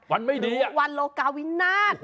หรือวันโลกาวินาท